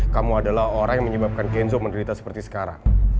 kamu adalah orang yang menyebabkan kenzo menderita seperti sekarang